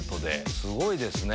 すごいですね。